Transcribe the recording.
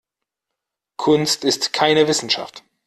Kunst ist keine Wissenschaft.